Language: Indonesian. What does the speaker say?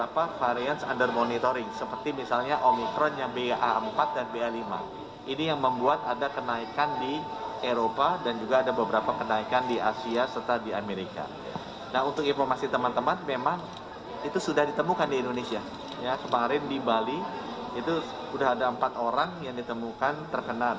pemerintah akan terus mengenjot distribusi vaksin booster ke masyarakat